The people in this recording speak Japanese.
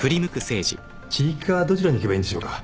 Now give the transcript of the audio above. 地域課はどちらに行けばいいんでしょうか？